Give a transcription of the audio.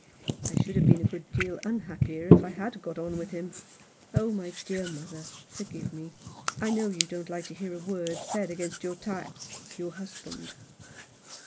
" I should have been a good deal unhappier if I had got on with him. Oh, my dear mother, forgive me. I know you don't like to hear a word said against your ty — your husband."